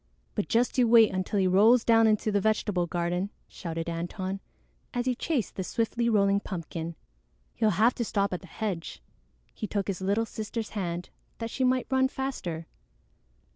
"But just you wait until he rolls down into the vegetable garden," shouted Antone, as he chased the swiftly rolling pumpkin. "He'll have to stop at the hedge." He took his little sister's hand that she might run faster.